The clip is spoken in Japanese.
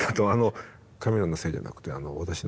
カメラのせいじゃなくて私の。